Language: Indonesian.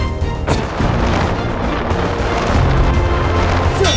yang setelah grandparents